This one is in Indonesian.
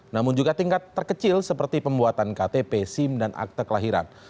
namun juga tingkat terkecil seperti pembuatan ktp sim dan akte kelahiran